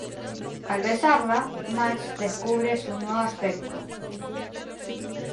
Al besarla, Max descubre su nuevo aspecto.